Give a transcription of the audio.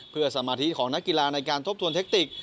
เพื่อสมาธิของนักกีฬาในการทบทวนเทคติก